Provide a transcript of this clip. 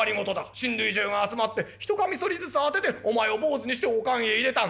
親類中が集まって一剃刀ずつあててお前を坊主にしてお棺へ入れたん」。